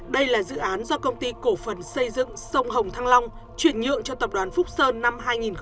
đây là dự án do công ty cổ phần xây dựng sông hồng thăng long chuyển nhượng cho tập đoàn phúc sơn năm hai nghìn một mươi